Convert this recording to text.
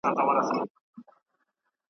له مرګي یې وو اوزګړی وېرولی ,